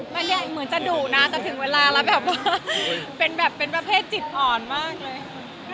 มันใหญ่เหมือนจะดุนะจะถึงเวลาแล้วแบบว่าเป็นแบบเป็นประเภทจิตอ่อนมากเลย